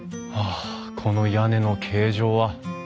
あこの屋根の形状は。